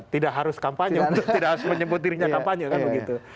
tidak harus kampanye tidak harus menyebut dirinya kampanye kan begitu